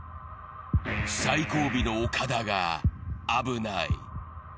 最後尾のオカダが危ない。